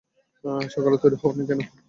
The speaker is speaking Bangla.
সকালে তৈরি হওনি কেন?